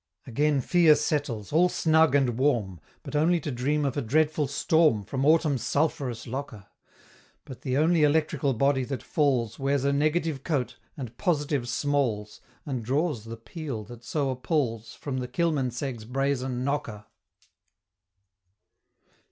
Again Fear settles, all snug and warm; But only to dream of a dreadful storm From Autumn's sulphurous locker; But the only electrical body that falls Wears a negative coat, and positive smalls, And draws the peal that so appals From the Kilmanseggs' brazen knocker!